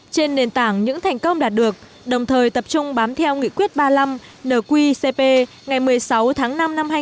trên nền tảng những thành công đạt được đồng thời tập trung bám theo nghị quyết ba mươi năm nqcp ngày một mươi sáu tháng năm